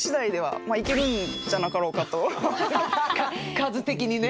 数的にね。